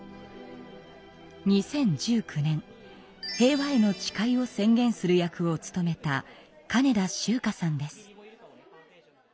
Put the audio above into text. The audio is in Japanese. ２０１９年「平和への誓い」を宣言する役を務めた金田秋佳さんです。